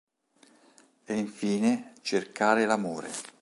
E infine, cercare l'amore.